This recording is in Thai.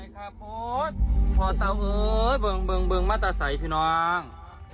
๒๔๖๐ขอไปค่ะพูดพอเตาเอิ้ยเบื้องเบื้องเบื้องมาต่อใส่พี่น้อง